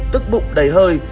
tức bụng đầy hơi